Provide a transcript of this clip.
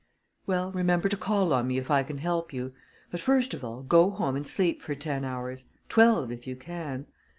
"Well, remember to call on me if I can help you. But first of all, go home and sleep for ten hours twelve, if you can.